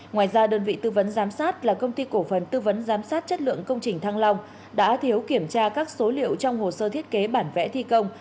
ngoài ra đơn vị tư vấn giám sát là công ty cổ phần tư vấn giám sát chất lượng công trình thăng long đã thiếu kiểm tra các số liệu trong hồ sơ thiết kế bản vẽ thi công